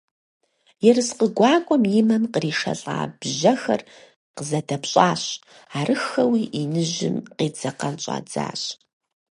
Ерыскъы гуакӀуэм и мэм къришэлӀа бжьэхэр къызэдэпщӀащ, арыххэуи иныжьым къедзэкъэн щӀадзащ.